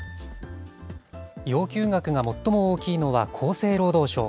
要求額が最も大きいのは厚生労働省。